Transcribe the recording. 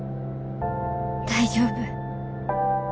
大丈夫。